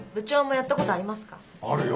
あるよ